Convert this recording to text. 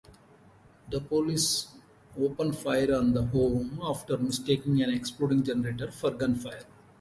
The police open fire on the home after mistaking an exploding generator for gunfire.